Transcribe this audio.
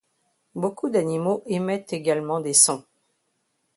Beaucoup d'animaux émettent également des sons.